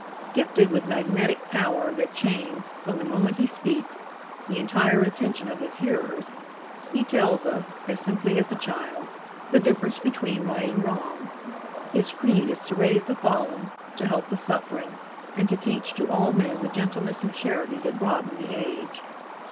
Gifted with magnetic power that chains, from the moment he speaks, the entire attention of his hearers, he tells us, as simply as a child, the difference between right and wrong. His creed is to raise the fallen, to help the suffering, and to teach to all men the gentleness and charity that broaden the age.